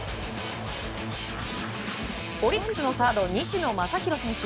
オリックスのサード西野真弘選手。